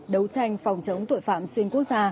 đấu tranh phòng chống tội phạm xuyên quốc gia